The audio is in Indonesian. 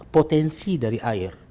potensi dari air